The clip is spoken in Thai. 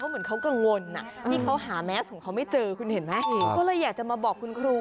เหมือนเขากังวลที่เขาหาแมสของเขาไม่เจอว่าอยากจบมาบอกคุณครู